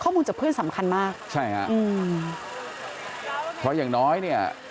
ข้อมูลจับเพื่อนสำคัญมากอืมพออย่างน้อยเนี่ย